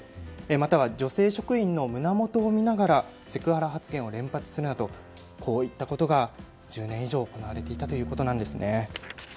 または女性職員の胸元を見ながらセクハラ発言を連発するなど、こういったことが１０年以上行われていたということなんですね。